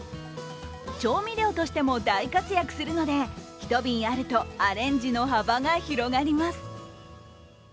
調味料としても大活躍するので、１瓶あるとアレンジの幅が広がります。